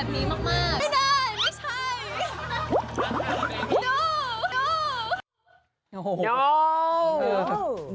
ไม่ใช่